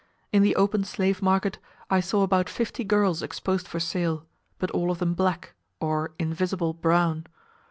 In the open slave market I saw about fifty girls exposed for sale, but all of them black, or "invisible" brown.